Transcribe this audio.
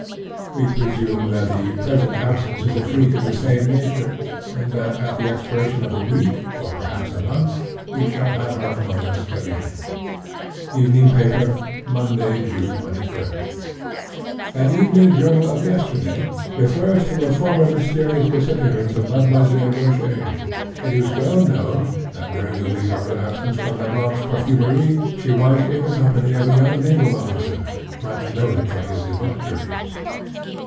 We presume that the present absence is a freak of the same nature, and that, at the expiration of a week, or perhaps of a month, we shall have her among us again."—Evening Paper—Monday, June 23. (*17) "An evening journal of yesterday, refers to a former mysterious disappearance of Mademoiselle Rogêt. It is well known that, during the week of her absence from Le Blanc's parfumerie, she was in the company of a young naval officer, much noted for his debaucheries.